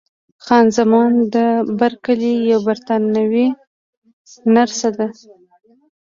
خان زمان بارکلي یوه بریتانوۍ نرسه ده.